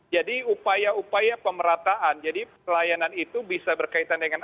jadi upaya upaya pemerataan jadi pelayanan itu bisa berkaitan dengan